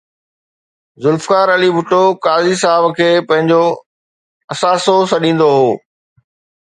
ذوالفقار علي ڀٽو قاضي صاحب کي پنهنجو اثاثو سڏيندو هو